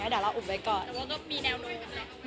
แต่ว่ามันก็มีแนวความโน่น